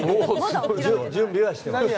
準備はしてます。